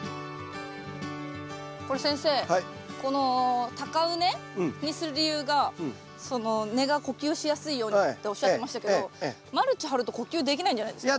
これ先生この高畝にする理由が根が呼吸しやすいようにっておっしゃってましたけどマルチ張ると呼吸できないんじゃないですか？